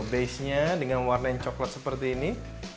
basenya dengan warna yang coklat seperti ini